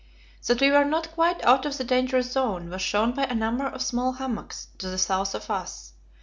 That we were not quite out of the dangerous zone was shown by a number of small hummocks to the south of us.